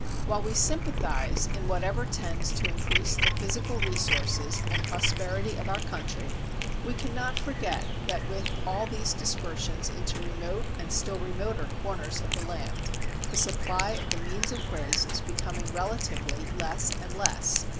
While we sympathize in whatever tends to increase the physical resources and prosperity of our country, we can not forget that with all these dispersions into remote and still remoter corners of the land the supply of the means of grace is becoming relatively less and less."